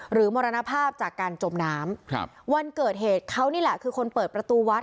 มรณภาพจากการจมน้ำครับวันเกิดเหตุเขานี่แหละคือคนเปิดประตูวัด